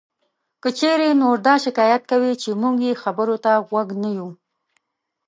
که چېرې نور دا شکایت کوي چې مونږ یې خبرو ته غوږ نه یو